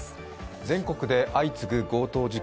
全国で相次ぐ強盗事件。